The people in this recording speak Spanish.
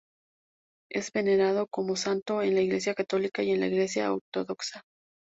Es venerado como santo en la Iglesia católica y en la Iglesia ortodoxa.